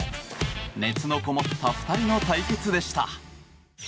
熱のこもった２人の対決でした。